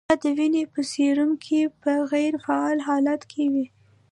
یا د وینې په سیروم کې په غیر فعال حالت کې وي.